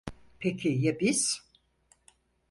Peki ya biz?